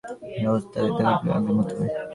তার অবস্থা দেখলাম মোটামুটি আগের মতোই।